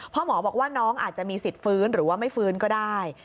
หมอบอกว่าน้องอาจจะมีสิทธิ์ฟื้นหรือว่าไม่ฟื้นก็ได้